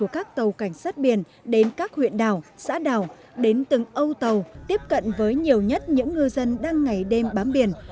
các tàu cảnh sát biển đến các huyện đảo xã đảo đến từng âu tàu tiếp cận với nhiều nhất những ngư dân đang ngày đêm bám biển